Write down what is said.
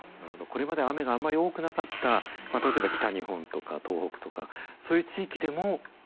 これまで雨があんまり多くなかった例えば北日本とか東北とかそういう地域でも降る可能性がある。